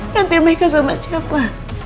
nanti mereka sama siapa